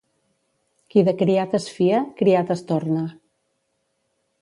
Qui de criat es fia, criat es torna.